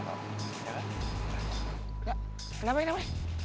enggak kenapa kenapa